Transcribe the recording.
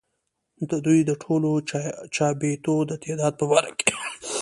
ددوي د ټولو چابېتو د تعداد پۀ باره کښې